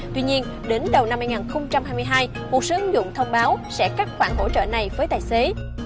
tuy nhiên đến đầu năm hai nghìn hai mươi hai một số ứng dụng thông báo sẽ cắt khoản hỗ trợ này với tài xế